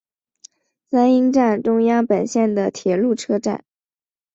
三鹰站中央本线的铁路车站。